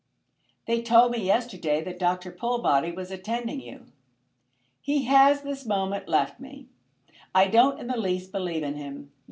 "They told me yesterday that Dr. Pullbody was attending you." "He has this moment left me. I don't in the least believe in him.